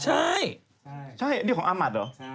ใช่ใช่อันของอ้าหมาธหรอ